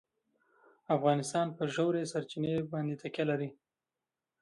افغانستان په ژورې سرچینې باندې تکیه لري.